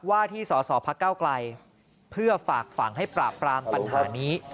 ว่าที่สอสอพักเก้าไกลเพื่อฝากฝังให้ปราบปรามปัญหานี้